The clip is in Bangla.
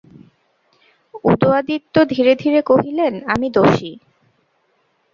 উদয়াদিত্য ধীরে ধীরে কহিলেন, আমি দোষী।